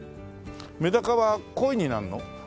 メダカはコイになるの？